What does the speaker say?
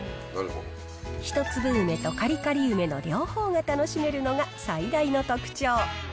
一粒梅とかりかり梅の両方が楽しめるのが最大の特徴。